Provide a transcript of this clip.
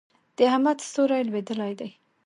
د احمد ستوری لوېدلی دی.